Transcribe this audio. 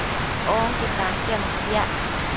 Onque tantianu piac